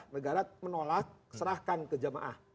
negara menolak serahkan ke jamaah